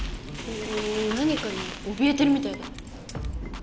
何かにおびえてるみたいだ。